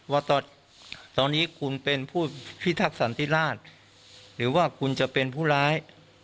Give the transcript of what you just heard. ว่าตอนนี้คุณเป็นผู้พิทักษันติราชหรือว่าคุณจะเป็นผู้ร้าย